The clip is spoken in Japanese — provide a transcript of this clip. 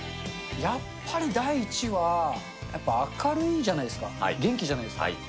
やっぱり、第一はやっぱ明るいじゃないですか、元気じゃないですか。